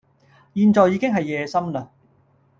現在已經係夜深喇